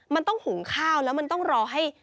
มันต้องหุงข้าวแล้วมันต้องรอให้